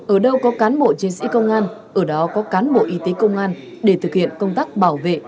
ở đâu có cán bộ chiến sĩ công an ở đó có cán bộ y tế công an để thực hiện công tác bảo vệ